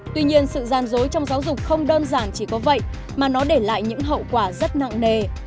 tuy nhiên sự gian dối trong giáo dục không đơn giản chỉ có vậy mà nó để lại những hậu quả rất nặng nề